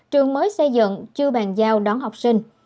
trường mới xây dựng chưa bàn giao đón học sinh